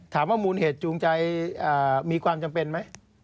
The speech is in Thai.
มูลเหตุจูงใจมีความจำเป็นไหม